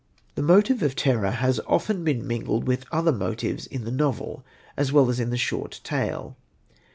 The motive of terror has often been mingled with other motives in the novel as well as in the short tale.